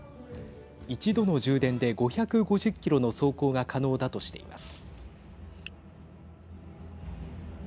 一度の充電で５５０キロの走行が可能だとしています。